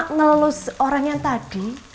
nelus orang yang tadi